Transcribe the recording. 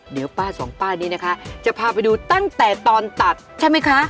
เดี๋ยวป้าสองป้านี้นะคะจะพาไปดูตั้งแต่ตอนตัดใช่ไหมคะ